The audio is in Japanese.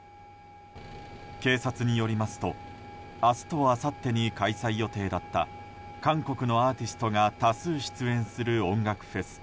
警察によりますと明日とあさってに開催予定だった韓国のアーティストが多数出演する音楽フェス